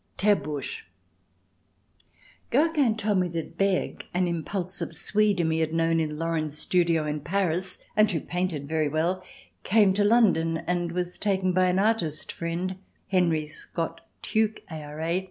Terbourg Gogin told me that Berg, an impulsive Swede whom he had known in Laurens's studio in Paris and who painted very well, came to London and was taken by an artist friend [Henry Scott Tuke, A.R.A.